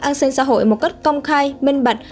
an sinh xã hội một cách công khai minh bạch